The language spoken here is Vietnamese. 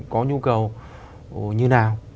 có nhu cầu như nào